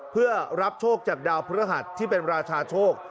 เพื่อรับโชคจากดาวพฤหัสที่เป็นราชาโชค